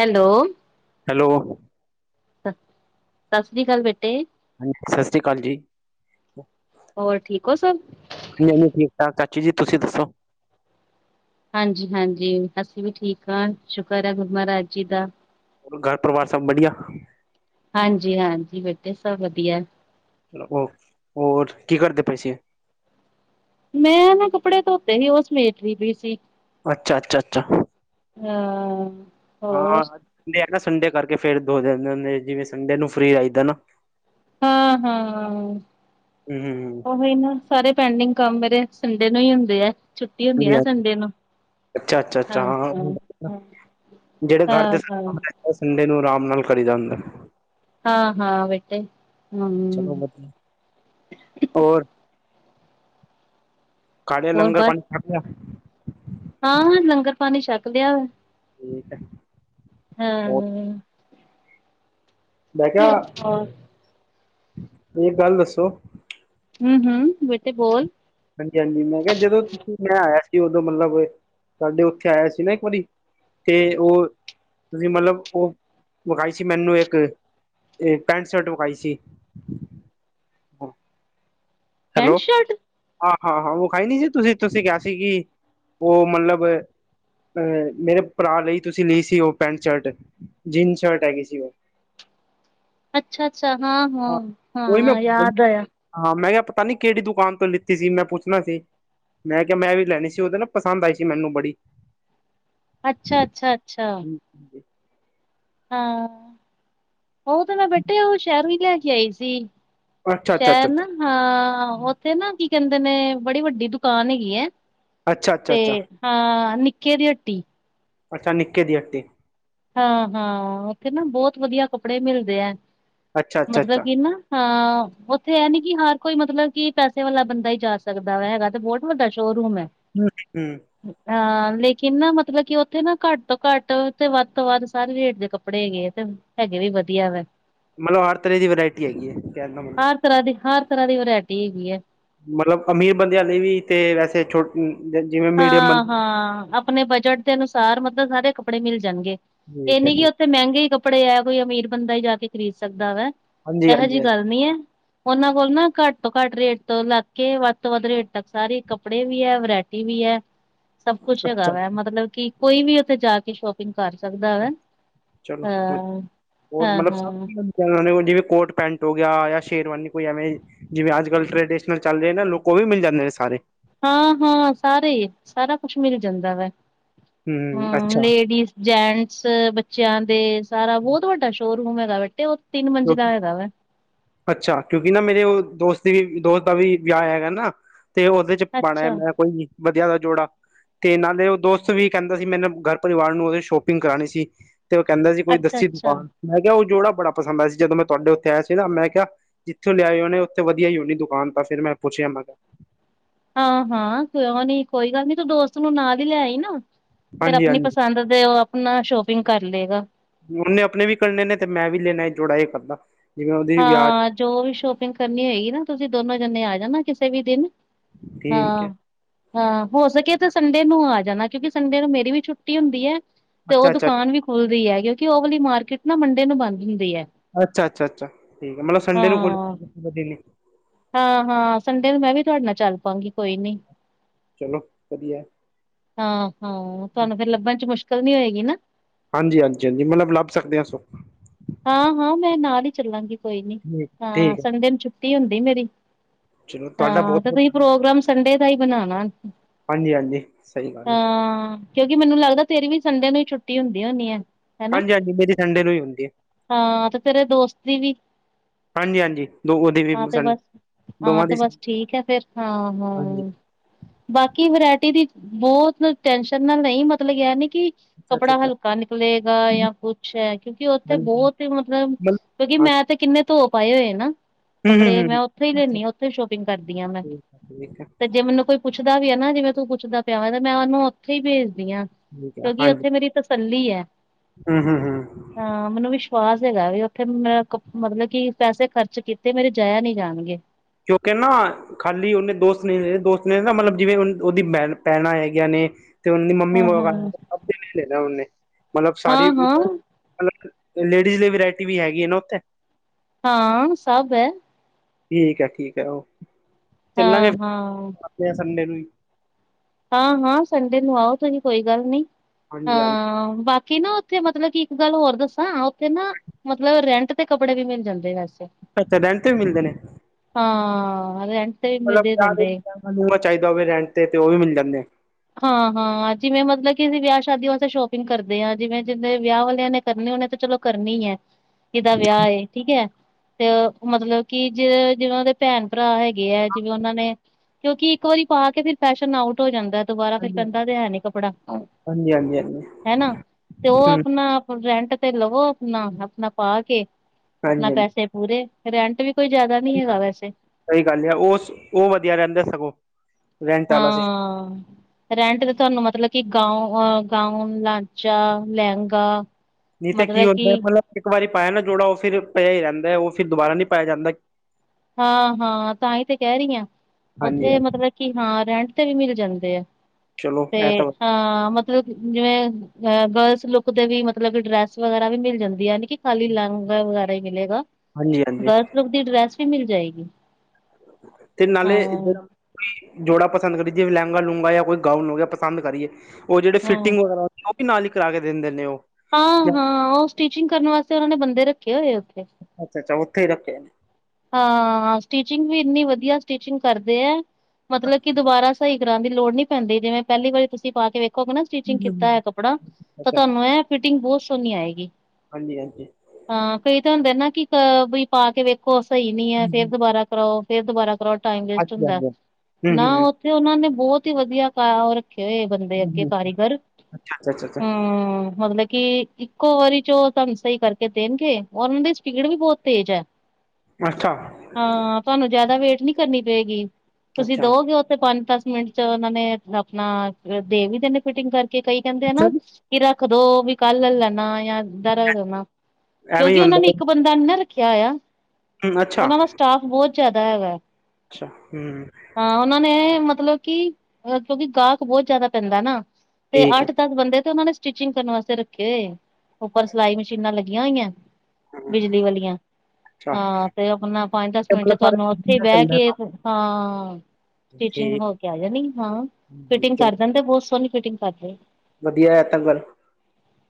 Hello! Hello! ਹ, ਸਤਿ ਸ੍ਰੀ ਕਾਲ ਬੇਟੇ। ਹਾਂਜੀ, ਸਸ੍ਰੀ ਕਾਲ ਜੀ। ਹੋਰ ਠੀਕ ਹੋ ਸਭ? ਮੈਂ ਵੀ ਠੀਕ-ਠਾਕ, ਚਾਚੀ ਜੀ ਤੁਸੀਂ ਦੱਸੋ? ਹਾਂਜੀ-ਹਾਂਜੀ, ਅਸੀਂ ਵੀ ਠੀਕ ਆ, ਸ਼ੁਕਰ ਐ ਗੁਰੂ ਮਹਾਰਾਜ ਜੀ ਦਾ। ਔਰ ਘਰ ਪਰਿਵਾਰ ਸਭ ਬੜੀਆ। ਹਾਂਜੀ-ਹਾਂਜੀ, ਬੇਟੇ ਸਭ ਵਦੀਆ। ਔਰ ਹੋਰ ਕੀ ਕਰਦੇ ਪੇ ਸੀ? ਮੈਂ ਨਾ ਕੱਪੜੇ ਧੋਤੇ ਸੀ, ਉਹ ਸਮੇਟ ਦੀ ਪਈ ਸੀ। ਅੱਛਾ-ਅੱਛਾ, ਅੱਛਾ। ਹਾਂ। ਹੋਰ ਹਾਂ, ਸੰਡੇ ਹੈ ਨਾ, ਸੰਡੇ ਕਰਕੇ ਫੇਰ ਦੋ ਦਿਨ ਦੇ ਲਈ ਜਿਵੇਂ ਸੰਡੇ ਨੂੰ ਫਰੀ ਆਈਦੈ ਨਾ। ਹਾਂ-ਹਾਂ, ਹਮ ਓਹੀ ਨਾ। ਸਾਰੇ ਪੈਂਡਿੰਗ ਕੰਮ ਮੇਰੇ, ਸੰਡੇ ਨੂੰ ਈ ਹੁੰਦੇ ਐ। ਛੁੱਟੀ ਹੁੰਦੀ ਏ ਹਾਂਜੀ ਨਾ ਹਾਂਜੀ ਸੰਡੇ ਨੂੰ, ਅੱਛਾ ਅੱਛਾ ਅੱਛਾ ਹਾਂ ਹਾਂ-ਹਾਂ, ਹਾਂ। ਜਿਹੜੇ ਘਰ ਦੇ ਸਾਮਨੇ, ਸੰਡੇ ਨੂੰ ਆਰਾਮ ਨਾਲ ਕਰੀ ਜਾਂਦੈ। ਹਾਂ-ਹਾਂ, ਬੇਟੇ। ਚਲੋ ਹੂੰ। ਵਦੀਆ, ਹੋਰ। ਖਾ ਲੇਆ, ਲੰਗਰ-ਪਾਨੀ ਛੱਕ ਲੇਆ। ਹਾਂ-ਹਾਂ, ਲੰਗਰ-ਪਾਨੀ ਛਕ ਲਿਆ। ਠੀਕ ਐ। ਹਾਂ, ਹੂੰ। ਮੈਂ ਕੇਆ, ਇਕ ਗੱਲ ਦੱਸੋ? ਹੂੰ-ਹੂੰ, ਬੇਟੇ ਬੋਲ। ਹਾਂਜੀ-ਹਾਂਜੀ, ਮੈ ਕੇਆ, ਜਦੋਂ ਮੈਂ ਆਇਆ ਸੀ ਉਦੋਂ ਮਤਲਬ ਸਾਡੇ ਉੱਥੇ ਆਇਆ ਸੀ ਨਾ ਇੱਕ ਵਾਰੀ 'ਤੇ ਓਹ ਤੁਸੀਂ ਮਤਲਬ ਓਹ, ਮੰਗਾਈ ਸੀ ਮੈਨੂੰ ਇੱਕ ਇਹ ਪੈਂਟ ਸ਼ਰਟ ਵਿਖਾਈ ਸੀ। ਹੈਲੋ, ਆਹ ਹਾਂ-ਹਾਂ, ਉਹ ਵਖਾਈ ਨੀ ਸੀ ਤੁਸੀਂ, ਤੁਸੀਂ ਕੇਆ ਸੀ ਕਿ ਵੋ ਮਤਲਬ ਅਹ, ਮੇਰੇ ਭਰਾ ਲਈ ਤੁਸੀਂ ਲਈ ਸੀ ਉਹ ਪੈਂਟ- ਸ਼ਰਟ, ਜੀਨ ਸ਼ਰਟ ਹੈਗੀ ਸੀ ਉਹ। ਅੱਛਾ-ਅੱਛਾ, ਹਾਂ, ਹੂੰ। ਉਹੀ ਮੈਂ ਹਾਂ-ਹਾਂ ਯਾਦ ਆਇਆ। ਹਾਂ, ਮੈਂ ਕੇਹਾ, ਪਤਾ ਨੀ ਕੇੜੀ ਦੁਕਾਨ ਤੋਂ ਲਿੱਤੀ ਸੀ, ਮੈਂ ਪੁੱਛਨਾ ਸੀ। ਮੈਂ ਕੇਆ, ਮੈਂ ਵੀ ਲੈਨੀ ਸੀ। ਓਦੇ ਨਾ ਪਸੰਦ ਆਈ ਸੀ ਮੈਨੂੰ ਬੜੀ। ਅੱਛਾ- ਅੱਛਾ, ਅੱਛਾ। ਹੂੰ। ਹਾਂ, ਉਹ 'ਤੇ ਮੈਂ ਬੈਟੇ ਉਹ ਸ਼ਹਿਰੋਂ ਈ ਲੈ ਕੇ ਆਈ ਸੀ‌। ਅੱਛਾ ਅੱਛਾ ਸ਼ਹਿਰ ਅੱਛਾ ਅੱਛਾ ਨਾ, ਹਾਂ ਉੱਥੇ ਨਾ ਕੀ ਕੈਂਦੇ ਨੇ, ਬੜੀ ਵੱਡੀ ਦੁਕਾਨ ਹੈਗੀ ਏ। ਅੱਛਾ ਅੱਛਾ 'ਤੇ ਅੱਛਾ ਹਾਂ, ਨਿੱਕੇ ਦੀ ਹੱਟੀ। ਅੱਛਾ, ਨਿੱਕੇ ਦੀ ਹੱਟੀ। ਹਾਂ-ਹਾਂ, ਉੱਥੇ ਨਾ ਬੋਤ ਵਦੀਆਂ ਕੱਪੜੇ ਮਿਲਦੇ ਐ, ਅੱਛਾ ਅੱਛਾ ਅੱਛਾ ਮਤਲਬ ਕੀ ਨਾ ਹਾਂ, ਓੱਥੇ ਐਹ ਨੀ ਕਿ ਹਰ ਕੋਈ ਮਤਲਬ ਕਿ ਪੈਸੇ ਵਾਲਾ ਬੰਦਾ ਈ ਜਾ ਸਕਦਾ ਵਾ ਹੈਗਾ 'ਤੇ ਬੋਟ। ਵੱਡਾ ਸ਼ੋ ਰੂਮ ਐ। ਹੂੰ, ਊ। ਹਾਂ, ਲੇਕਿਨ ਨਾ ਮਤਲਬ ਕਿ ਉੱਥੇ ਨਾ ਘੱਟ ਤੋਂ ਘੱਟ ਤੇ ਵੱਦ ਵੱਧ ਤੋਂ ਵੱਧ ਸਾਰੇ ਰੇਟ ਦੇ ਕੱਪੜੇ ਹੈਗੇ ਆ, 'ਤੇ ਹੈਗੇ ਵੀ ਵਦੀਆਂ ਵੈ। ਮਤਲਬ ਹਰ ਤਰ੍ਹਾਂ ਦੀ ਵਰਾਇਟੀ ਹੈਗੀ ਐ, ਕੈਂਨ ਦਾ ਮਤਲਬ। ਹਰ ਤਰ੍ਹਾਂ ਦੀ, ਹਰ ਤਰ੍ਹਾਂ ਦੀ ਵਰਾਇਟੀ ਹੈਗੀ ਐ। ਮਤਲਬ, ਅਮੀਰ ਬੰਦਿਆਂ ਵੀ ਤੇ ਵੈਸੇ ਛੋਟ, ਜਿਵੇਂ ਮੀਡੀਅਮ ਬੰ ਹਾਂ ਹਾਂ, ਅਪਣੇ ਬਜਟ ਦੇ ਅਨੁਸਾਰ ਮਤਲਬ ਸਾਰੇ ਕੱਪੜੇ ਮਿਲ ਜਾਣਗੇ, ਇਹ ਠੀਕ ਹੈ ਨੀ ਕਿ ਜੀ ਉੱਥੇ ਮਹਿੰਗੇ ਈ ਕੱਪ ਕੱਪੜੇ ਐ ਹੋ ਈ ਅਮੀਰ ਬੰਦਾ ਹੀ ਜਾਕੇ ਖ਼ਰੀਦ ਸਕਦਾ ਵਾ, ਹਾਂਜੀ ਇਹੋ ਹਾਂਜੀ ਜਿਹੀ ਹਾਂਜੀ ਗੱਲ ਨੀ ਏ। ਉਹਨਾਂ ਕੋਲ਼ ਨਾ ਘੱਟ ਤੋਂ ਘੱਟ ਰੇਟ ਤੋਂ ਲੱਗਕੇ ਵੱਧ ਤੋਂ ਵੱਧ ਰੇਟ ਤੱਕ ਸਾਰੇ ਕੱਪੜੇ ਵੀ ਐ, ਵਰੈਈ ਟੀਵੀ ਏ, ਸਭ ਕੁੱਛ ਅੱਛਾ ਹੈਗਾ ਵਾ, ਅੱਛਾ ਮਤਲਬ ਕਿ ਕੋਈ ਵੀ ਉੱਥੇ ਜਾਕੇ ਸ਼ੋਪ ਪਿੰਗ ਕਰ ਸਕਦਾ ਵਾ, ਚਲੋ ਅ ਹਾ, ਹਾ-ਹਾਂ। ਉਹਨਾਂ ਨੇ ਓ ਜਿਵੇਂ ਕੋਟ ਪੈਂਟ ਹੋਗਿਆ, ਯਾ ਸ਼ੇਰਵਾਨੀ ਕੋਈ ਐਵੇਂ ਜਿਵੇਂ ਅੱਜ-ਕੱਲ ਟਰੈਡੀਸ਼ਨਲ ਚੱਲ ਰਹੇ ਨਾ ਲੋਕ, ਉਹ ਵੀ ਮਿਲ ਜਾਂਦੇ ਨੇ ਸਾਰੇ। ਹਾਂ-ਹਾਂ, ਸਾਰੇ, ਸਾਰਾ ਕੁਛ ਮਿਲ ਜਾਂਦਾ ਵਾ, ਹੂੰ, ਲੇਡੀਜ਼ ਜੈਂਟਸ, ਬੱਚਿਆਂ ਦੇ ਸਾਰਾ ਬਹੁਤ ਵੱਡਾ ਸ਼ੋਰੂਮ ਹੈਗਾ ਬੈਟੇ, ਓ [unintelligible] ਅੱਛਾ, ਕਿਉਂਕਿ ਨਾ ਮੇਰੇ ਉਹ ਦੋਸਤ ਦੀ ਵੀ ਦੋਸਤ ਦਾ ਵੀ ਵਿਆਹ ਹੈਗਾ ਨਾ, ਤੇ ਉਹਦੇ ਚ ਪਾਣਾ ਏ, ਅੱਛਾ, ਮੈਂ ਕੋਈ ਵਧੀਆ ਦਾ ਜੋੜਾ। ਤੇ ਨਾਲ਼ੇ ਉਹ ਦੋਸਤ ਵੀ ਕਹਿੰਦਾ ਸੀ, ਮੈਨੂੰ ਘਰ-ਪਰਿਵਾਰ ਨੂੰ ਉਹਦੇ ਸ਼ੋਪਿੰਗ ਕਰਾਣੀ ਸੀ। ਤੇ ਉਹ ਕਹਿੰਦਾ ਸੀ ਕੋਈ ਦੱਸੀ ਅੱਛਾ-ਅੱਛਾ ਦੁਕਾਨ, ਮੈਂ ਕਿਹਾ ਉਹ ਜੋੜਾ ਬੜਾ ਪਸੰਦ ਆਇਆ ਸੀ, ਜਦੋਂ ਮੈਂ ਤੁਹਾਡੇ ਉੱਥੇ ਆਇਆ ਸੀ ਨਾ ਮੈਂ ਕਿਹਾ ਜਿੱਥੋਂ ਲਿਆਏ ਉਹਨੇ ਉੱਥੇ ਵਧੀਆਂ ਈ ਹੋਣੀ ਦੁਕਾਨ, ਤਾਂ ਫਿਰ ਮੈਂ ਪੁੱਛਿਆ ਮੈਂ ਹਾਂ-ਹਾਂ, ਉਹ ਨੀ ਕੋਈ ਗੱਲ ਨੀ ਤੂੰ ਦੋਸਤ ਨੂੰ ਨਾਲ਼ ਈ ਲੈ ਆਈ ਨਾ। ਫ਼ਿਰ ਹਾਂਜੀ ਅਪਣੀ ਹਾਂਜੀ ਪਸੰਦ ਦੇ, ਉਹ ਅਪਣਾ ਸ਼ੋਪਿੰਗ ਕਰ ਲੇਗਾ। ਉਹਨੇ ਅਪਣੇ ਵੀ ਕਰਨੇ ਨੇ, ਤੇ ਮੈਂ ਵੀ ਲੈਣਾ ਏ ਜੋੜਾ ਇਕ। ਹਾਂ, ਜੋ ਵੀ ਸ਼ੋਪਿੰਗ ਕਰਨੀ ਹੋਏਗੀ ਨਾ ਤੁਸੀਂ ਦੋਨੋਂ ਜਨੇ ਆ ਜਾਣਾ ਕਿਸੇ ਵੀ ਦਿਨ। ਠੀਕ ਹਾਂ ਹੈ ਹਾਂ, ਹੋ ਸਕੇ ਤੇ ਸੰਡੇ ਨੂੰ ਆ ਜਾਣਾ, ਕਿਉਂਕਿ ਸੰਡੇ ਨੂੰ ਮੇਰੀ ਵੀ ਛੁੱਟੀ ਹੁੰਦੀ ਐ। ਤੇ ਉਹ ਅੱਛਾ ਅੱਛਾ ਦੁਕਾਨ ਵੀ ਖੁੱਲਦੀ ਐ, ਕਿਉਂਕਿ ਉਹ ਵਾਲੀ ਮਾਰਕੀਟ ਨਾ ਮੰਡੇ ਨੂੰ ਬੰਦ ਹੁੰਦੀ ਐ‌। ਅੱਛਾ, ਛਾ, ਛਾ ਠੀਕ ਏ, ਮਤਲਬ ਸੰਡੇ ਨੂੰ ਖੁਲ ਹਾਂ, ਹਾਂ-ਹਾਂ, ਸੰਡੇ ਨੂੰ ਮੈਂ ਵੀ ਤੁਹਾਡੇ ਨਾਲ਼ ਚੱਲ ਪਾਂਗੀ ਕੋਈ ਨੀ। ਚਲੋ ਵਧੀਆ। ਹਾਂ-ਹਾਂ, ਤੁਹਾਨੂੰ ਫੇਰ ਲੱਭਣ'ਚ ਮੁਸ਼ਕਿਲ ਨੀ ਹੋਏਗੀ ਨਾ। ਹਾਂਜੀ-ਹਾਂਜੀ-ਹਾਂਜੀ, ਮਤਲਬ ਲੱਭ ਸਕਦੇ ਆਂ, ਸੁੱਖ ਹਾਂ-ਹਾਂ, ਮੈਂ ਨਾਲ ਈ ਚੱਲਾਂਗੀ ਕੋਈ ਨੀ, ਠੀਕ ਹਾਂ ਠੀਕ ਹੈ ਸੰਡੇ ਨੂੰ ਛੁੱਟੀ ਹੁੰਦੀ ਮੇਰੀ। ਚਲੋ ਤੁਹਾਡਾ ਹਾਂ, ਬਹੁਤ ਤੇ ਬਹੁਤ ਤੁਹੀ ਪ੍ਰੋਗਰਾਮ ਸ ਸੰਡੇ ਦਾ ਈ ਬਨ੍ਹਾਨਾ, ਹਾਂ। ਹਾਂਜੀ ਹਾਂਜੀ ਸਹੀ ਗੱਲ ਹੈ ਕਿਉਂਕਿ ਮੈਨੂੰ ਲੱਗਦਾ ਤੇਰੀ ਵੀ ਸੰਡੇ ਨੂੰ ਈ ਛੁੱਟੀ ਹੁੰਦੀ ਹੋਣੀ ਐ। ਹਨਾ ਹਾਂਜੀ-ਹਾਂਜੀ, ਮੇਰੀ ਸੰਡੇ ਨੂੰ ਹੀ ਹੁੰਦੀ ਏ। ਹਾਂ, ਤੇ ਤੇਰੇ ਦੋਸਤ ਦੀ ਵੀ ਹਾਂਜੀ ਹਾਂਜੀ ਦੋ ਉਹਦੇ ਵੀ ਹਾਂ, ਤੇ ਸੰ ਬਸ, ਹਾਂ ਦੋਵਾਂ ਤੇ ਦੀ ਸੰ ਬਸ ਠੀਕ ਐ ਫੇਰ, ਹਾਂਜੀ ਹਾਂ-ਹਾਂਂ। ਬਾਕੀ ਵਰਾਇਟੀ ਦੀ ਬਹੁਤ ਟੈਨਸ਼ਨ ਨਾ ਲਈ, ਮਤਲਬ ਐ ਨੀ ਕਿ ਅੱਛਾ ਅੱਛਾ ਕੱਪੜਾ ਅੱਛਾ ਹਲਕਾ ਨਿਕਲੇਗਾ, ਯਾ ਕੁੱਛ ਐ, ਕਿਉਂਕਿ ਓ ਥੇ ਹਾਂਜੀ ਬਹੁਤ ਈ ਮਤਲਬ, ਕਿਉਂਕਿ ਮੈਂ ਤੇ ਕਿੰਨੇ ਧੋ ਪਾਏ ਹੋਏ ਨਾ। ਹੂੰ ਕੱਪੜੇ, ਹੂੰ ਹੂੰ ਮੈਂ ਉੱਥੋ ਈ ਅੱਛਾ ਅੱਛਾ ਲੈਂਨੀ ਆ, ਉੱਥੋ ਈ ਸ਼ੋਪਿੰਗ ਕਰਦੀ ਆ ਮੈਂ, ਠੀਕ ਹੈ ਠੀਕ ਹੈ ਤੇ ਜੇ ਮੈਨੂੰ ਕੋਈ ਪੁੱਛਦਾ ਵੀ ਐ ਨਾ, ਜਿਵੇਂ ਤੂੰ ਪੁੱਛਦਾ ਪਿਆ ਵਾਂ, ਤੇ ਮੈਂ ਉਹਨੂੰ ਉੱਥੇ ਈ ਭੇਜਦੀ ਆਂ। ਠੀਕ ਹੈ ਕਿਉਂਕਿ ਹਾਂਜੀ ਉੱਥੇ ਮੇਰੀ ਤਸੱਲੀ ਐ, ਹੂੰ ਹੂੰ ਹੂੰ ਹ ਮੈਨੂੰ ਵਿਸ਼ਵਾਸ ਹੈਗਾ ਵੇ, ਉੱਥੇ ਮੈਂ ਮਤਲਬ ਕਿ ਪੈਸੇ ਖਰਚ ਕੀਤੇ ਮੇਰੇ ਜਾਇਆ ਨੀ ਜਾਣਗੇ। ਕਿਉਂਕਿ ਨਾ ਖਾਲੀ ਉਹਨੇ ਦੋਸਤ ਨੇ, ਦੋਸਤ ਨੇ ਨਾ ਮਤਲਬ ਜਿਵੇਂ ਉਹਦੀ ਭੈਣਾਂ ਹੈਗੀਆਂ ਨੇ ਤੇ ਉਹਦੀ ਮੰਮੀ ਹਾਂ ਹਾਂ [unintelligible] ਲੈਣਾ ਉਹਨੇ, ਮਤਲਬ ਸਾਰੀ ਹਾਂ ਹਾਂ ਮਤਲਬ ਲੇਡੀਜ਼ ਲਈ ਵਰਾਇਟੀ ਵੀ ਹੈਗੀ ਐ ਨਾ ਓਥੇ। ਹਾਂ ਸਭ ਐ। ਠੀਕ ਐ ਠੀਕ ਐ ਓਕੇ। ਹਾਂ-ਹਾਂ। ਮਿਲਦੇ ਆ ਸੰਡੇ ਨੂੰ। ਹਾਂ-ਹਾਂ ਸੰਡੇ ਨੂੰ ਆਓ ਤੁਸੀਂ ਕੋਈ ਗੱਲ ਨੀ, ਹਾਂਜੀ ਹਾਂਜੀ ਹਾਂ ਬਾਕੀ ਨਾ ਓਥੇ ਮਤਲਬ ਕੀ ਇੱਕ ਗੱਲ ਹੋਰ ਦੱਸਾਂ, ਓਥੇ ਨਾ ਮਤਲਬ ਰੈਂਟ ਤੇ ਕੱਪੜੇ ਵੀ ਮਿਲ ਜਾਂਦੇ ਆ ਵੈਸੇ। ਅੱਛਾ ਰੈਂਟ ਤੇ ਵੀ ਮਿਲਦੇ ਨੇ। ਹਾਂ ਰੈਂ ਮਤਲਬ ਚਾਈਦਾ ਹੋਵੇ ਰੈਂਟ ਤੇ ਓ ਵੀ ਮਿਲ ਜਾਂਦੇ। ਹਾਂ-ਹਾਂ ਜਿਵੇਂ ਮਤਲਬ ਕਿ ਅਸੀਂ ਵਿਆ ਸ਼ਾਦੀਆਂ ਵਾਸਤੇ ਸ਼ੋਪਿੰਗ ਕਰਦੇ ਆਂ, ਜਿਵੇਂ ਜਿਦੇ ਵਿਆਹ ਵਾਲਿਆਂ ਨੇ ਕਰਨੇ ਓਨੇ ਤੇ ਚੱਲੋ ਕਰਨੀ ਐ, ਜਿਦਾ ਵਿਆ ਏ ਠੀਕ ਐ। ਤੇ ਮਤਲਬ ਕੀ ਜਿ ਜਿਵੇਂ ਓਦੇ ਭੈਣ ਭਰਾ ਹੈਗੇ ਐ ਜਿਵੇਂ ਓਨਾਂ ਨੇ। ਕਿਉਂਕਿ ਇੱਕ ਵਾਰੀ ਪਾ ਕੇ ਫਿਰ ਫੈਸ਼ਨ ਆਊਟ ਹੋ ਜਾਂਦਾ ਐ। ਦਬਾਰਾ ਫਿਰ ਹਾਂਜੀ ਪੈਂਦਾ ਤੇ ਹੈ ਨੀ ਕੱਪੜਾ, ਹਾਂਜੀ ਹਾਂਜੀ ਹਾਂਜੀ ਹਾਂਜੀ ਹੈਨਾ ਤੇ ਓ ਹਮ ਆਪਣਾ ਹੁਣ ਰੈਂਟ ਤੇ ਲਵੋ ਆਪਣਾ, ਆਪਣਾ ਪਾ ਕੇ ਆਪਣਾ ਹਾਂਜੀ ਹਾਂਜੀ ਪੈਸੇ ਪੂਰੇ। ਰੈਂਟ ਵੀ ਕਈ ਜ਼ਾਦਾ ਨੀ ਹੈਗਾ ਵੈਸੇ। ਸਈ ਗੱਲ ਆ, ਓਸ ਓ ਵਧੀਆ ਰੈਂਦਾ ਸਗੋਂ। ਰੈਂਟ ਵਾਲਾ ਸਿਸਟਮ ਹਾਂ। ਰੈਂਟ ਤੇ ਤੁਆਨੂੰ ਮਤਲਬ ਕੀ ਗਾਊ ਅ ਗਾਊਨ, ਲਾਂਚਾ, ਲੈਂਗਾ। ਨਈ ਤੇ ਕੀ ਹੁੰਦਾ ਮਤਲਬ ਇੱਕ ਵਾਰੀ ਪਾਇਆ ਨਾ ਜੋੜਾ, ਓ ਨਾ ਫਿਰ ਪਿਆ ਈ ਰੈਂਦਾ। ਓ ਫਿਰ ਦੁਬਾਰਾ ਨੀਂ ਪਾਇਆ ਜਾਂਦਾ। ਹਾਂ-ਹਾਂ ਤਾਂ ਈ ਤੇ ਕੈ ਰੀ ਆ, ਹਾਂਜੀ ਓਥੇ ਹਾਂਜੀ ਮਤਲਬ ਕੀ ਹਾਂ ਰੈਂਟ ਤੇ ਵੀ ਮਿਲ ਜਾਂਦੇ ਆ, ਚਲੋ ਇਹ ਤਾਂ ਤੇ ਹਾਂ ਮਤ ਮਤਲਬ ਜਿਵੇਂ ਅ ਗਰਲਸ ਲੁੱਕ ਦੇ ਵੀ ਮਤਲਬ ਡਰੈਸ ਵਗੈਰਾ ਵੀ ਮਿਲ ਜਾਂਦੀ ਐ, ਲੇਕਿ ਖਾਲੀ ਲੈਂਗਾ ਵਗੈਰਾ ਈ ਮਿਲੇਗਾ, ਹਾਂਜੀ ਹਾਂਜੀ ਗਰਲਸ ਲੁੱਕ ਦੀ ਡਰੈਸ ਵੀ ਮਿਲ ਜਾਏਗੀ। ਤੇ ਨਾਲੇ ਹਾਂ ਧ ਜੋੜਾ ਪਸੰਦ ਕਰੀਏ ਜਿਵੇਂ ਲੈਂਗਾ ਲੂੰਗਾ ਜਾਂ ਕੋਈ ਗਾਊਨ ਹੋ ਗਿਆ ਪਸੰਦ ਕਰੀਏ, ਓ ਜੇੜੇ ਹਾਂ ਫਿਟਿੰਗ ਵਗੈਰਾ ਓ ਵੀ ਨਾਲ ਈ ਕਰਾ ਕੇ ਦਿੰਦੇ ਨੇ ਓ। ਹਾਂ-ਹਾਂ ਓ ਸਟੀਚਿੰਗ ਕਰਨ ਵਾਸਤੇ ਓਨਾਂ ਨੇ ਬੰਦੇ ਰੱਖੇ ਹੋਏ ਓਥੇ। ਅੱਛਾ ਅੱਛਾ ਓਥੇ ਈ ਰੱਖੇ ਨੇ। ਹਾਂ ਸਟੀਚਿੰਗ ਵੀ ਇੰਨੀ ਵਧੀਆ ਸਟੀਚਿੰਗ ਕਰਦੇ ਐ, ਮਤਲਬ ਕੀ ਦੁਬਾਰਾ ਸਈ ਕਰਾਣ ਦੀ ਲੋੜ ਨੀ ਪੈਂਦੀ, ਜਿਵੇਂ ਪੈਲੀ ਵਾਰੀ ਤੁਸੀਂ ਪਾ ਕੇ ਵੇਖ ਦੇਖੋ ਗੇ ਨਾ ਸਟਿੰਚਿੰਗ ਕੀਤਾ ਹੂੰ-ਹੂੰ। ਹੋਇਆ ਕੱਪੜਾ, ਤਾਂ ਅੱਛਾ, ਤਾਨੂੰ ਐ ਫਿਟਿੰਗ ਬੋਤ ਸੋਣੀ ਆਏਗੀ। ਹਾਂਜੀ - ਹਾਂਜੀ। ਹਾਂ ਕਈ ਤਾਂ ਹੁੰਦੇ ਨਾ ਕ ਵੀ ਪਾ ਕੇ ਵੇਖੋ ਸਈ ਨੀ ਏ ਫੇਰ ਹੂੰ-ਹੂੰ। ਦਬਾਰਾ ਕਰਾਓ, ਫੇਰ ਦਬਾਰਾ ਕਰਾਓ ਟਾਈਮ ਵੇਸਟ ਹੁੰਦਾ। ਹਾਂਜੀ-ਹਾਂਜੀ, ਨਾ ਹੂੰ-ਹੂੰ। ਓਥੇ ਓਨਾ ਨੇ ਬੋਤ ਈ ਵਧੀਆ ਕਰ ਓ ਰੱਖੇ ਹੋਏ। ਬੰਦੇ ਅਗੇ ਹੂੰ-ਹੂੰ। ਕਾਰੀਗਰ, ਅੱਛਾ-ਅੱਛਾ-ਅੱਛਾ, ਹੂੰ ਮਤਲਬ ਕੀ ਇੱਕੋ ਵਾਰੀ 'ਚ ਓ ਤੁਆਨੂੰ ਸਈ ਕਰਕੇ ਦੇਣਗੇ। ਔਰ ਓਨਾਂ ਦੀ ਸਪੀਡ ਵੀ ਬਹੁਤ ਤੇਜ਼ ਐ। ਅੱਛਾ। ਹਾਂ ਤੁਆਨੂੰ ਜਾਦਾ ਵੇਟ ਨੀ ਕਰਨੀ ਪਏਗੀ, ਅੱਛਾ ਤੁਸੀਂ ਅੱਛਾ ਦਓ ਗੇ ਓਥੇ ਪੰਜ ਦਸ ਮਿੰਟ। 'ਚ ਓਨਾਂ ਨੇ ਆਪਣਾ ਦੇ ਵੀ ਦੇਣੇ ਫਿਟਿੰਗ ਕਰਕੇ' ਕਈ ਕੈਂਦੇ ਅੱਛਾ ਆ ਅੱਛਾ ਨਾ ਜੀ। ਕੀ ਰੱਖ ਦੋ ਵੀ ਕੱਲ ਲੈਣਾ ਜਾਂ ਇੱਧਰ ਲਲ ਲੈਣਾ, ਐਵੇਂ ਹੀ ਕਿਉਂਕਿ ਓਨਾਂ ਹੁੰਦਾ ਨੇ ਏ ਇੱਕ ਬੰਦਾ ਨੀ ਨਾ ਰੱਖਿਆ ਹੋਇਆ। ਓਨਾਂ ਦਾ ਸਟਾਫ ਬੋਤ ਜਾਦਾ ਹੈਗਾ। ਅੱਛਾ ਹੂੰ। ਹਾਂ ਓਨਾਂ ਨੇ ਮਤਲਬ ਕੀ ਕਿਉਂਕਿ ਗਾਕ ਬੋਤ ਜ਼ਾਦਾ ਪੈਂਦਾ ਨਾ। ਤੇ ਠੀਕ ਹੈ ਅੱਠ ਦਸ ਬੰਦੇ ਤੇ ਉਹਨਾਂ ਨੇ ਸਟਿਚਿੰਗ ਕਰਨ ਵਾਸਤੇ ਰੱਖੇ ਹੋਏ ਐ। ਉੱਪਰ ਸਿਲਾਈ ਮਸ਼ੀਨਾਂ ਲੱਗੀਆਂ ਹੋਈਆਂ ਹੂੰ ਬਿਜਲੀ ਵਾਲੀਆਂ ਅੱਛਾ। ਹਾਂ ਤੇ ਆਪਣਾ ਪੰਜ ਦਸ ਇਹ ਮਿੰਟ ਚ ਮਤਲਬ ਸਾਰੇ ਤੁਹਾਨੂੰ ਉੱਥੇ ਈ ਬਹਿ ਚੱਲਦਾ ਕੇ ਕੰਮ। ਹਾਂ। ਸਟਿਚਿੰਗ ਠੀਕ ਹੋ ਕੇ ਆ ਜਾਣੀ ਏ ਹਾਂ ਫਿਟਿੰਗ ਕਰ ਚਲੋ ਦਿੰਦੇ ਬਹੁਤ ਸੋਹਣੀ ਫਿਟਿੰਗ ਕਰਦੇ। ਵਧੀਆ ਐਕਟਰ ਫਿਰ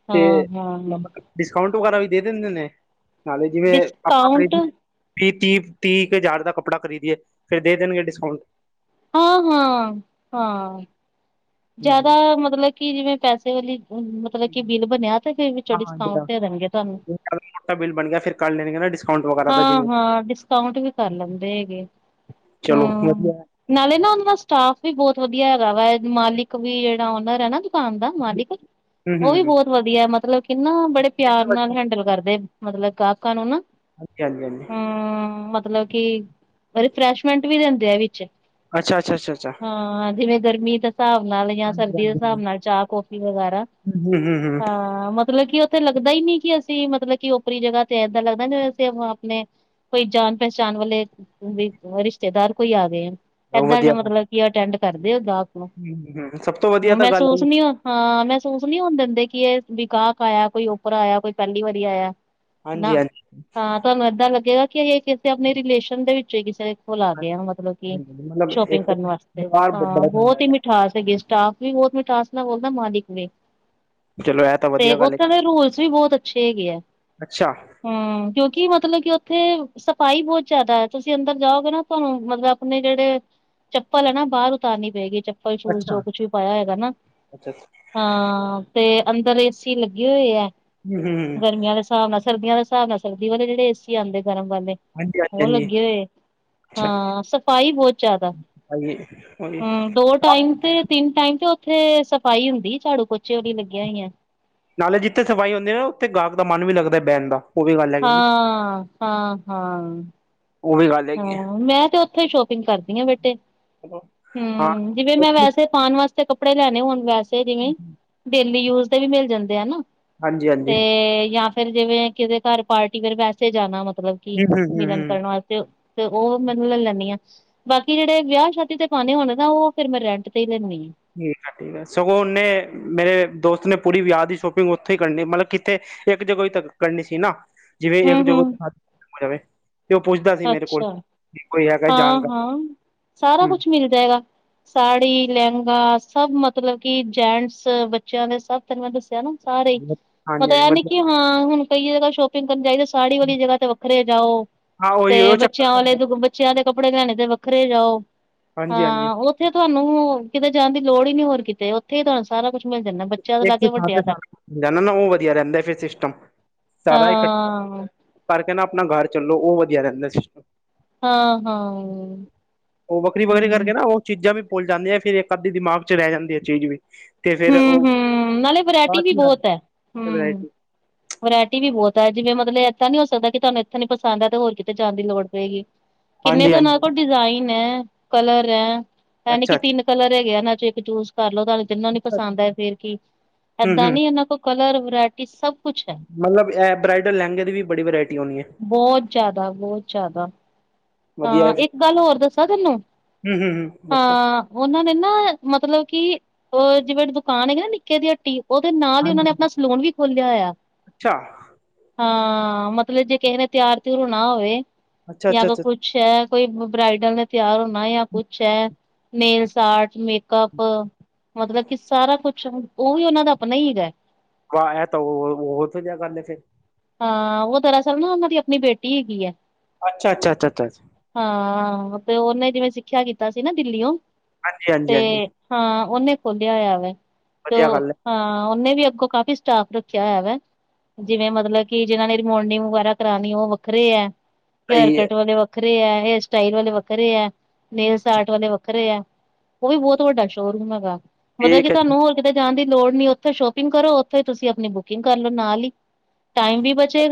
ਹਾਂ ਤੇ ਹਾਂ ਆਪਾਂ ਡਿਸਕਾਊਂਟ ਵਗੈਰਾ ਵੀ ਦੇ ਦਿੰਦੇ ਨੇ ਹਾਂਜੀ ਜਿਵੇਂ ਆਪਾ ਡਿਸਕਾਊਂਟ ਕਰੇਗੀ ਵੀਹ -ਤੀਹ, ਤੀਹ ਕੁ ਹਜ਼ਾਰ ਦਾ ਕੱਪੜਾ ਖਰੀਦੀਏ ਫਿਰ ਦੇ ਦੇਣਗੇ ਡਿਸਕਾਊਂਟ। ਹਾਂ -ਹਾਂ ਹਾਂ ਜਿਆਦਾ ਹੂੰ-ਹੂੰ। ਮਤਲਬ ਕਿ ਜਿਵੇਂ ਪੈਸੇ ਵਾਲੀ ਮਤਲਬ ਕਿ ਬਿੱਲ ਬਣਿਆ ਤੇ ਫਿਰ ਅੱਛਾ ਹਾਂ ਡਿਸਕਾਊਂਟ ਜਿਹੜਾ ਦੇ ਦੇਣਗੇ ਤੁਹਾਨੂੰ ਜ਼ਿਆਦਾ ਮੋਟਾ ਬਿੱਲ ਬਣ ਗਿਆ ਫਿਰ ਕਰ ਲੈਣਗੇ ਨਾ ਡਿਸਕਾਊਂਟ ਵਗੈਰਾ ਦਾ ਹਾਂ ਜਿਵੇਂ -ਹਾਂ ਡਿਸਕ ਕਾਊਂਟ ਵੀ ਕਰ ਲੈਂਦੇ ਹੈਗੇ ਐ। ਚਲੋ ਵਧੀਆ ਐ। ਨਾਲੇ ਨਾ ਉਨਾਂ ਦਾ ਸਟਾਫ ਵੀ ਬਹੁਤ ਵਧੀਆ ਹੈਗਾ ਵਾ। ਏ ਮਾਲਿਕ ਵੀ ਜਿਹੜਾ ਓਨਰ ਹੈ ਨਾ ਦੁਕਾਨ ਦਾ ਮਾਲਿਕ ਹੂੰ ਉਹ ਵੀ ਹੂੰ ਬਹੁਤ ਵਧੀਆ ਮਤਲਬ ਕਿੰਨਾ ਬੜੇ ਪਿਆਰ ਬਿਲਕੁਲ ਨਾਲ ਵਧੀਆ। ਹੈਂਡਲ ਕਰਦੇ। ਮਤਲਬ ਗਾਹਕਾਂ ਨੂੰ ਨਾ ਹਾਂਜੀ ਹਾਂਜੀ ਹਾਂਜੀ ਹੂੰ ਮਤਲਬ ਕਿ ਪਹਿਲੇ ਫਰੈਸ਼ਮੈਂਟ ਵੀ ਦਿੰਦੇ ਆ ਵਿੱਚ ਅੱਛਾ -ਅੱਛਾ- ਅੱਛਾ-ਅੱਛਾ ਚ ਹਾਂ ਜਿਵੇਂ ਗਰਮੀ ਤਤਾ ਬਣਾ ਲਈਆਂ ਹਾਂਜੀ ਸਰਦੀ ਦੇ ਹਾਂਜੀ ਹਾਂਜੀ ਹਿਸਾਬ ਨਾਲ ਚਾਹ ਕੌਫੀ ਵਗੈਰਾ ਹਾਂ। ਹੂੰ ਹੂੰ ਹੂੰ ਹਾਂ ਮਤਲਬ ਕਿ ਉੱਥੇ ਲੱਗਦਾ ਈ ਨੀ ਕਿ ਅਸੀਂ ਮਤਲਬ ਕਿ ਓਪਰੀ ਜਗ੍ਹਾ ਤੇ ਇੱਦਾਂ ਲੱਗਦਾ ਜਿਵੇਂ ਅਸੀਂ ਆਪੋ ਆਪਣੇ ਕੋਈ ਜਾਣ ਪਹਿਚਾਣ ਵਾਲੇ ਉਹੀ ਰਿਸ਼ਤੇਦਾਰ ਕੋਈ ਆ ਗਏ ਆਂ ਉਹ ਇਦਾਂ ਵਧੀਆ ਗੱਲ ਮਤਲਬ ਕੀ ਅਟੈਂਡ ਕਰਦੇ ਆ ਉਹ ਗਾਹਕ ਨੂੰ [unintelligible] ਸਭ ਤੋਂ ਵਧੀਆ ਤਾਂ ਗੱਲ ਇਹੀ ਮਹਿਸੂਸ ਆ ਨੀ ਹਾਂ ਮਹਿਸੂਸ ਨੀ ਹੋਣ ਦਿੰਦੇ ਕਿ ਇਹ ਵੀ ਗਾਹਕ ਆਇਆ। ਕੋਈ ਓਪਰਾ ਆਇਆ। ਕੋਈ ਪਹਿਲੀ ਵਾਰੀ ਆਇਆ। ਹਾਂਜੀ ਨਾ, ਹਾਂਜੀ ਹਾਂ ਤੁਹਾਨੂੰ ਇਦਾਂ ਲੱਗੇਗਾ ਕਿ ਇਹ ਕਿਸੇ ਆਪਣੇ ਰਿਲੇਸ਼ਨ ਦੇ ਵਿੱਚੋਂ ਕਿਸੇ ਨੇ ਬਿਲਕੁਲ ਆ ਅੱਛਾ ਗਿਆ ਮਤਲਬ ਕਿ ਹਾਂਜੀ ਮਤਲਬ ਸ਼ੋਪਿੰਗ ਇੱਕ ਕਰਨ ਤਾਂ ਵਾਸਤੇ ਵਿਵਹਾਰ ਹਾਂ ਬੜਾ ਚੰਗਾ ਬਹੁਤ ਈ ਹੈਗਾ ਮਿਠਾਸ ਅੰਗੇਸਟ ਸਟਾਫ ਵੀ ਬਹੁਤ ਮਿਠਾਸ ਨਾਲ ਬੋਲਦਾ ਮਾਲਿਕ ਵੀ ਚਲੋ ਇਹ ਤਾਂ ਤੇ ਵਧੀਆ ਗੱਲ ਹੈ ਉੱਥੇ ਦੇ ਰੂਲਸ ਵੀ ਬਹੁਤ ਅੱਛੇ ਹੈਗੇ ਆ। ਅੱਛਾ ਹੂੰ ਕਿਉਂਕਿ ਮਤਲਬ ਕਿ ਉੱਥੇ ਸਫ਼ਾਈ ਬਹੁਤ ਜਿਆਦਾ ਹੈ ਤੁਸੀਂ ਅੰਦਰ ਜਾਓਗੇ ਨਾ ਤੁਹਾਨੂੰ ਮਤਲਬ ਆਪਣੇ ਜਿਹੜੇ ਚੱਪਲ ਆ ਨਾ ਬਾਹਰ ਉਤਾਰਨੀ ਪਏਗੀ ਚੱਪਲ ਹੁਣ ਅੱਛਾ ਜੋ ਕੁਛ ਵੀ ਪਾਇਆ ਹੈਗਾ ਨਾ ਅੱਛਾ ਹਾਂ। ਤੇ ਅੰਦਰ ਏਸੀ ਲੱਗੇ ਹੋਏ ਐ ਹੂੰ ਹੂੰ ਹੂੰ ਗਰਮੀਆਂ ਵੈਸੇ ਹਿਸਾਬ ਨਾਲ ਸਰਦੀਆਂ ਦੇ ਹਿਸਾਬ ਨਾਲ ਸਰਦੀ ਵਾਲੇ ਜਿਹੜੇ ਏਸੀ ਆਂਦੇ ਗਰਮ ਵਾਲੇ ਹਾਂਜੀ ਉਹ ਹਾਂਜੀ ਹਾਂਜੀ ਲੱਗੇ ਹੋਏ ਅੱਛਾ ਹਾਂ ਸਫ਼ਾਈ ਬਹੁਤ ਜ਼ਿਆਦਾ, ਭਾਈ ਉਹੀ ਹੂੰ ਦੋੜ ਟਾਈਮ ਤੇ ਤਿੰਨ ਟਾਈਮ ਤੇ ਉੱਥੇ ਸਫ਼ਾਈ ਹੁੰਦੀ ਝਾੜੂ ਪੋਚੇ ਵਾਲੀ ਲੱਗਿਆ ਹੋਈਆਂ ਹੈ। ਨਾਲੇ ਜਿੱਥੇ ਸਫਾਈ ਹੁੰਦੇ ਉਹ ਉੱਥੇ ਗਾਹਕ ਦਾ ਮਨ ਵੀ ਲੱਗਦਾ ਬਹਿਣ ਦਾ ਉਹ ਵੀ ਗੱਲ ਹੈਗੀ ਨਾ ਹਾਂ- ਹਾਂ -ਹਾਂ। ਉਹ ਵੀ ਗੱਲ ਹੈਗੀ ਹਾਂ ਮੈਂ ਤੇ ਉੱਥੇ ਸ਼ੋਪਿੰਗ ਕਰਦੀ ਹਾਂ ਬੇਟੇ ਹੈਲੋ ਹਾਂ ਹੂੰ ਜਿਵੇਂ ਮੈਂ ਵੈਸੇ ਪਾਣ ਵਾਸਤੇ ਕੱਪੜੇ ਲੈਣੇ ਹੋਣ ਵੈਸੇ ਜਿਵੇਂ ਡੇਲੀ ਯੂਜ ਦੇ ਵੀ ਮਿਲ ਜਾਂਦੇ ਆ ਨਾ ਹਾਂਜੀ ਹਾਂਜੀ ਤੇ ਜਾਂ ਫਿਰ ਜਿਵੇਂ ਕਿਹਦੇ ਘਰ ਪਾਰਟੀ ਫਿਰ ਵੈਸੇ ਜਾਣਾ ਮਤਲਬ ਕੀ ਹੂੰ ਹੂੰ ਹੂੰ ਮਿਲਣ ਹੂੰ ਕਰਨ ਵਾਸਤੇ ਤੇ ਉਹ ਮੈਨੂੰ ਲੈ ਲੈਂਦੀ ਆ ਬਾਕੀ ਜਿਹੜੇ ਵਿਆਹ ਸ਼ਾਦੀ ਤੇ ਪਾਉਣੇ ਹੋਣੇ ਨਾ ਉਹ ਫਿਰ ਮੈਂ ਰੈਂਟ ਤੇ ਹੀ ਲੈਂਦੀ ਆ ਠੀਕ ਆ- ਠੀਕ ਆ ਸਗੋਂ ਉਹਨੇ ਮੇਰੇ ਦੋਸਤ ਨੇ ਪੂਰੀ ਵਿਆਹ ਦੀ ਸ਼ੋਪਿੰਗ ਉੱਥੇ ਹੀ ਕਰਨੀ ਮਤਲਬ ਕਿੱਥੇ ਇੱਕ ਜਗ੍ਹੋਂ ਥੱਕਣ ਨਹੀਂ ਸੀ ਨਾ ਜਿਵੇਂ ਇੱਕ ਹੂੰ, ਜੋ ਹੂੰ [unintelligible] ਤੇ ਉਹ ਪੁੱਛਦਾ ਸੀ ਮੇਰੇ ਕੋਲ ਅੱਛਾ, ਕਿ ਕੋਈ ਹੈਗਾ ਹਾਂ- ਜਾਣਕਾਰ ਹਾਂ ਸਾਰਾ ਹੂੰ ਕੁਛ ਮਿਲ ਜਾਏਗਾ। ਸਾੜੀ, ਲਹਿੰਗਾ ਸਭ ਮਤਲਬ ਕੀ ਜੈਂਟਸ ਬੱਚਿਆਂ ਦੇ ਸਭ ਤੈਨੂੰ ਮੈਂ ਦੱਸਿਆ ਨਾ? ਸਾਰੇ, ਹਾਂਜੀ ਮਤਲਬ ਹਾਂਜੀ ਯਾਰ ਨੀ ਕਿ ਹਾਂ ਹੁਣ ਕਈ ਜਗ੍ਹਾ ਸ਼ੋ ਪਿੰਗ਼ ਕਰਨ ਚਾਹੀਦਾ ਸਾੜੀ ਵਾਲੀ ਜਗ੍ਹਾ ਤੇ ਵੱਖਰੇ ਜਾਓ ਹਾਂ ਉਹੀ ਤੇ ਉਹ ਚੱਕਰ ਬੱਚਿਆਂ ਵਾਲੇ ਪੈਂਦਾ ਦ ਬੱਚਿਆਂ ਦੇ ਕੱਪੜੇ ਲਿਆਣੇ ਤੇ ਵੱਖਰੇ ਜਾਓ ਹਾਂਜੀ ਹਾਂਜੀ ਹਾਂ ਉਹ ਜਿੱਥੇ ਤੁਹਾਨੂੰ ਕਿਤੇ ਜਾਣ ਦੀ ਲੋੜ ਹੀ ਨੀ ਹੋਰ ਕਿਤੇ ਉੱਥੇ ਹੀ ਤੁਹਾਨੂੰ ਸਾਰਾ ਕੁਛ ਮਿਲ ਜਾਂਦਾ ਬੱਚਿਆਂ ਤੋਂ ਲਾ ਇੱਕ ਕੇ ਥਾਂ ਵੱਡਿਆਂ ਤੇ ਤੱਕ ਸਾਰਾ ਜਾਣਾ ਨਾ ਉਹ ਵਧੀਆ ਰਹਿੰਦਾ ਫੇਰ ਸਿਸਟਮ, ਸਾਰਾ ਇਕੱਠਾ ਹਾਂ, ਕਰਕੇ ਨਾ ਆਪਣਾ ਘਰ ਚੱਲੋ ਉਹ ਰਹਿੰਦਾ ਸਿਸਟਮ ਹਾਂ- ਹਾਂ ਉਹ ਵੱਖਰੀ -ਵੱਖਰੀ ਕਰਕੇ ਨਾ ਉਹ ਚੀਜ਼ਾਂ ਵੀ ਭੁੱਲ ਜਾਂਦੀਆਂ ਫਿਰ ਇੱਕ ਅੱਧੀ ਦਿਮਾਗ ਚ ਰਹਿ ਜਾਂਦੀ ਹੈ ਚੀਜ਼ ਵੀ ਤੇ ਫਿਰ ਉਹ ਹੂੰ-ਹੂੰ ਨਾਲੇ ਬਾ ਵਰਾਇਟੀ ਵੀ ਬਹੁਤ ਐ ਹੂੰ। [unintelligible] ਵਰਾਇਟੀ ਵੀ ਬਹੁਤ ਹੈ ਜਿਵੇਂ ਮਤਲਬ ਐਸਾ ਨੀ ਹੋ ਸਕਦਾ ਕਿ ਤੁਹਾਨੂੰ ਇੱਥੇ ਨੀ ਪਸੰਦ ਹੈ ਤੇ ਹੋਰ ਕਿਤੇ ਜਾਣ ਦੀ ਲੋੜ ਪਏਗੀ ਕਿੰਨੇ ਹਾਂਜੀ ਤੇ ਉਹਨਾਂ ਹਾਂਜੀ ਕੋਲ ਡਿਜ਼ਾਇਨ ਹੈ, ਕਲਰ ਹੈ, ਯਾਨੀ ਅੱਛਾ ਕਿ ਤਿੰਨ ਕਲਰ ਹੈਗੇ ਇਹਨਾਂ ਚੋਂ ਇੱਕ ਚੂਜ ਕਰ ਲੋ ਤੁਹਾਨੂੰ ਜਿੰਨਾ ਨੀ ਅੱਛਾ ਅੱਛਾ ਪਸੰਦ ਅੱਛਾ ਆਏ ਫੇਰ ਕੀ ਹੂੰ ਏਦਾਂ ਹੂੰ ਨੀ ਇਹਨਾਂ ਕੋਲ ਕਲਰ ਵਰਾਇਟੀ ਸਭ ਕੁਛ ਹੈ, ਮਤਲਬ ਇਹ ਬ੍ਰਾਈਡਲ ਲਹਿੰਗੇ ਦੀ ਵੀ ਬੜੀ ਵਰਾਇਟੀ ਹੋਣੀ ਹੈ [inaudible] ਬਹੁਤ ਜ਼ਿਆਦਾ ਬਹੁਤ ਜ਼ਿਆਦਾ ਵਧੀਆ ਹਾਂ, ਹੈ ਫਿਰ। ਇੱਕ ਗੱਲ ਹੋਰ ਦੱਸਾਂ ਤੈਨੂੰ,? ਹੂੰ ਹੂੰ ਹੂੰ ਬਸ ਹਾਂ ਉਹਨਾਂ ਨੇ ਮਤਲਬ ਕੇ ਉਹ ਜਿਵੇਂ ਦੁਕਾਨ ਹੈਗੀ ਨਾ ਨਿੱਕੇ ਦੀ ਹੱਟੀ ਉਹਦੇ ਨਾਲ ਹੀ ਉਹਨਾਂ ਹਾਂਜੀ ਨੇ ਹਾਂਜੀ ਆਪਣਾ ਸਲੋਨ ਵੀ ਖੋਲਿਆ ਹੋਇਆ ਅੱਛਾ। ਹਾਂ ਮਤਲਬ ਜੇ ਕਿਸੇ ਨੇ ਤਿਆਰ ਤਰ ਨਾ ਹੋਵੇ, ਅੱਛਾ ਜਾਂ ਅੱਛਾ ਅੱਛਾ ਕੁਛ ਹੈ ਕੋਈ ਬਰਾਈਡਲ ਨੇ ਤਿਆਰ ਹੋਣਾ ਜਾਂ ਕੁੱਛ ਹੈ ਨੇਲ ਆਰਟ ਮੇਕਅੱਪ, ਮਤਲਬ ਕਿ ਸਾਰਾ ਕੁਛ ਉਹ ਵੀ ਉਹਨਾਂ ਦਾ ਆਪਣਾ ਹੀਗਾ [unintelligible] ਹਾਂ ਉਹ ਦਰਅਸਲ ਨਾ ਉਹਨਾਂ ਦੀ ਆਪਣੀ ਬੇਟੀ ਹੈਗੀ ਹੈ ਅੱਛਾ ਚ - ਅੱਛ-ਛਾ। ਹਾਂ ਤੇ ਉਹਨੇ ਜਿਵੇਂ ਸਿੱਖਿਆ ਕੀਤਾ ਸੀ ਨਾ ਦਿੱਲੀਓ, ਹਾਂਜੀ ਤੇ ਹਾਂਜੀ ਹਾਂਜੀ ਹਾਂ, ਉਹਨੇ ਖੋਲਿਆ ਹੋਇਆ ਵ, ਤੇ ਵਧੀਆ ਗੱਲ ਹੈ ਹਾਂ ਉਹਨੇ ਵੀ ਅੱਗੋਂ ਕਾਫ਼ੀ ਸਟਾਫ ਰੱਖਿਆ ਹੈ ਵ, ਜਿਵੇਂ ਮਤਲਬ ਕਿ ਜਿਹਨਾਂ ਨੇ ਰਿਬੋਡਿੰਗ ਵਗੈਰਾ ਕਰਾਉਣੀ ਆ ਉਹ ਵੱਖਰੇ ਹੈ, ਹੇਅਰ ਸਹੀ ਹੈ ਕੱਟ ਵਾਲੇ ਵ ਵੱਖਰੇ ਆ ਹੇਅਰ ਸਟਾਈਲ ਵਾਲੇ ਵੱਖਰੇ ਆ, ਨੇਸ ਆਟ ਵਾਲੇ ਵੱਖਰੇ ਆ ਉਹ ਵੀ ਬਹੁਤ ਵੱਡਾ ਸ਼ੋਅਰੂਮ ਹੈਗਾ, ਮਤਲਬ ਕਿ ਠੀਕ ਹੈ ਜੀ। ਤੁਹਾਨੂੰ ਕਿਤੇ ਜਾਣ ਦੀ ਲੋੜ ਨਹੀਂ ਉੱਥੇ ਸ਼ੋਪਿੰਗ ਕਰੋ ਉੱਥੇ ਤੁਸੀਂ ਆਪਣੀ ਬੁਕਿੰਗ ਕਰ ਲਓ ਨਾਲ ਹੀ ਟਾਈਮ ਵੀ ਬਚੇਗਾ